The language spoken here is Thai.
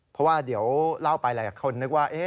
เพราะว่าเดี๋ยวเล่าไปหลายคนนึกว่า